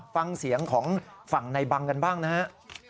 ฟังเสียงของฝั่งในบังกันบ้างนะฮะ